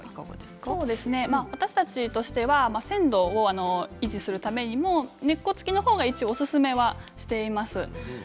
私たちとしては鮮度を維持するためにも根っこ付きのほうがおすすめはしています。